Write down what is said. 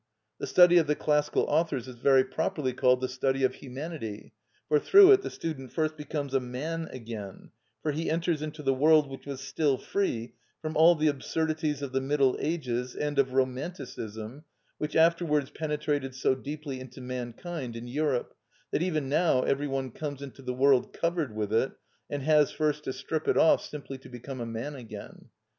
(24) The study of the classical authors is very properly called the study of Humanity, for through it the student first becomes a man again, for he enters into the world which was still free from all the absurdities of the Middle Ages and of romanticism, which afterwards penetrated so deeply into mankind in Europe that even now every one comes into the world covered with it, and has first to strip it off simply to become a man again.